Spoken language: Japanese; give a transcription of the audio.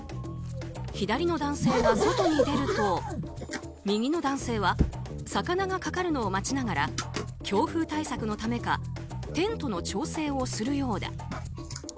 左の男性が外に出ると右の男性は魚がかかるのを待ちながら強風対策のためかテントの調整をするようだ。